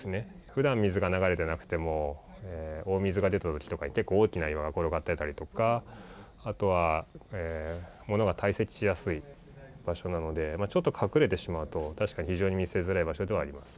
ふだん、水が流れてなくても、大水が出たときとかに、結構、大きな岩が転がってたりとか、あとは、ものが堆積しやすい場所なので、ちょっと隠れてしまうと、確かに非常に見つけづらい場所ではあります。